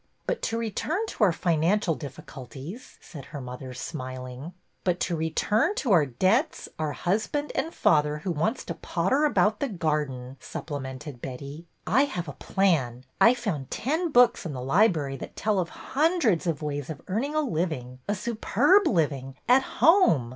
'' But to return to our financial difficulties," said her mother, smiling. '' But to return to our debts, our husband and father who wants to potter about the garden," supplemented Betty. I have a plan. I found ten books in the library that tell of hundreds of ways of earning a living, a superb living, at home